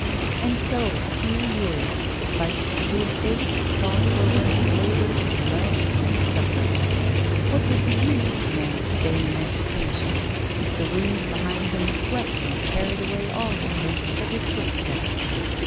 And so a few years sufficed to efface the spot where one had laboured, loved, and suffered! What was the use of man's vain agitation if the wind behind him swept and carried away all the traces of his footsteps?